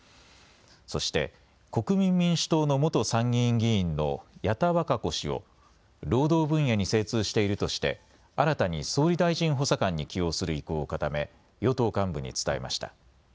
そして国民民主党の元参議院議員の矢田稚子氏を労働分野に精通しているとして新たに総理大臣補佐官に起用する意向を固め、与党幹部に伝えました。